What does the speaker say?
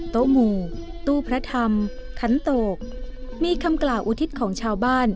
หมู่ตู้พระธรรมขันโตกมีคำกล่าวอุทิศของชาวบ้าน